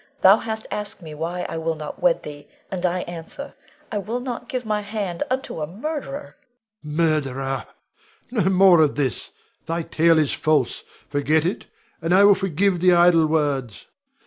Thou hast asked me why I will not wed thee, and I answer, I will not give my hand unto a murderer. Rod. Murderer! No more of this! Thy tale is false; forget it, and I will forgive the idle words.